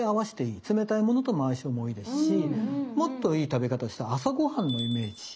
冷たいものとも相性もいいですしもっといい食べ方した朝ごはんのイメージ。